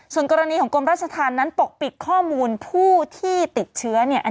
ส่วนกรณีของกรมราชธรรมนั้นปกปิดข้อมูลผู้ที่ติดเชื้อเนี่ย